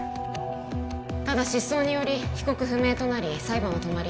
ただ失踪により被告不明となり裁判は止まり